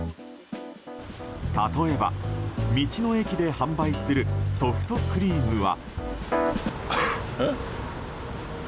例えば、道の駅で販売するソフトクリームは。